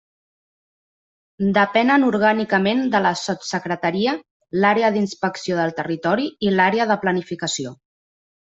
Depenen orgànicament de la Sotssecretaria, l'Àrea d'Inspecció del Territori i l'Àrea de Planificació.